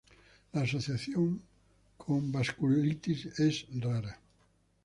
La asociación con vasculitis es rara.